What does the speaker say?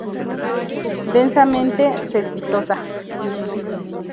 Densamente cespitosa.